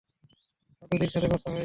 সাধুজির সাথে কথা হয়েছে।